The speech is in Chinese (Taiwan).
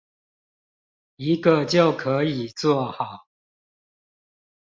一個就可以做好